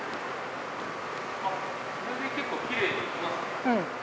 あっそれで結構きれいにいきますね。